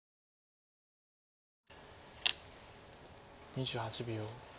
２８秒。